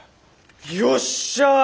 よっしゃ。